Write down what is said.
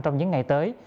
trong những ngày tới